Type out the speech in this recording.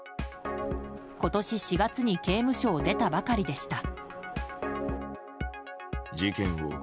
今年４月に刑務所を出たばかりでした。